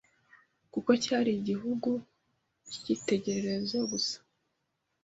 kuko cyari igihugu cyitekerezaho gusa